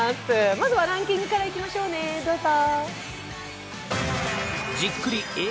まずはランキングからいきましょうね、どうぞ。